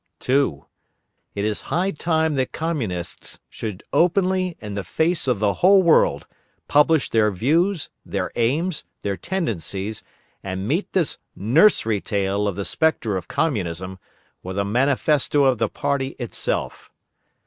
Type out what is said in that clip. II. It is high time that Communists should openly, in the face of the whole world, publish their views, their aims, their tendencies, and meet this nursery tale of the Spectre of Communism with a Manifesto of the party itself.